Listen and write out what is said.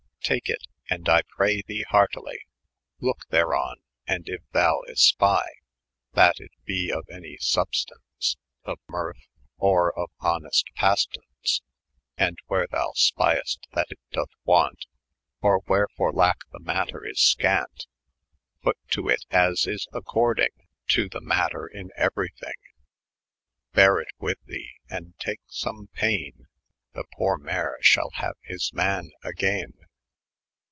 66 Take it, and I pray the hertyly Loke theron ; and yf thou espy That it be of any snbstance. Of ni3rrth, or of honest pastannce, GO And where thou spyest that it dooth want. Or where for lack the mater is scant, Pat to it as is accordyng To the mater in eaery thyng; 64> Bere^ it with the, and take snme payne. The poore mare shall haoe his man agayn'."